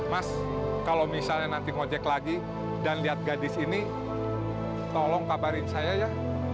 mas kalau misalnya nanti ngojek lagi dan lihat gadis ini tolong kabarin saya ya